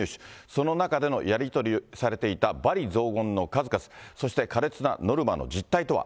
その中でのやり取りされていた罵詈雑言の数々、そしてかれつなノルマの実態とは。